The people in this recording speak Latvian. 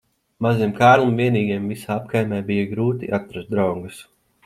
Mazajam Kārlim vienīgajam visā apkaimē bija grūti atrast draugus.